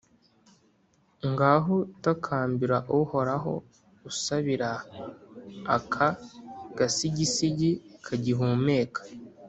Ngaho takambira Uhoraho, usabira aka gasigisigi kagihumeka!»